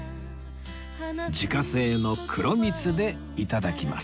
自家製の黒蜜で頂きます